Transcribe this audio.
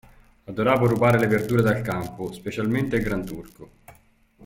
Adoravo rubare le verdure dal campo, specialmente il granturco.